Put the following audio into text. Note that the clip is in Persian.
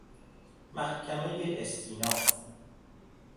محکمۀ استیناف